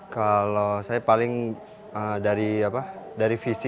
kalau saya paling dari visi